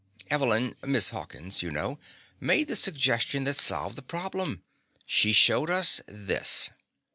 Evelyn Miss Hawkins, you know made the suggestion that solved the problem. She showed us this."